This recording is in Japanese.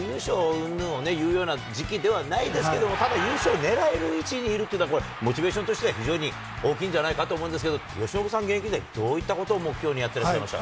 うんぬんをいうような時期ではないですけれども、優勝狙える位置にいるというのが、これ、モチベーションとしては非常に大きいんじゃないかと思うんですけど、由伸さん現役時代、どういうことを目標にやってらっしゃいました？